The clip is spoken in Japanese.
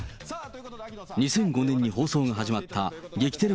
２００５年に放送が始まった激テレ